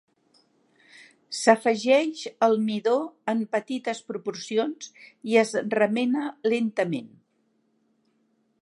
S'afegeix el midó en petites proporcions i es remena lentament.